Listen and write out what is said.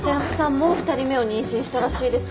もう２人目を妊娠したらしいですよ。